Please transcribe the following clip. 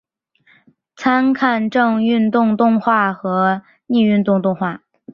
参看正运动动画和逆运动动画。